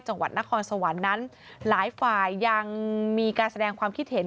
จังหวัดนครสวรรค์นั้นหลายฝ่ายยังมีการแสดงความคิดเห็น